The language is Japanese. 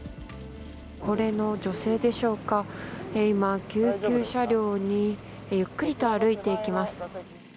高齢女性でしょうか今救急車両にゆっくりと歩いていきます。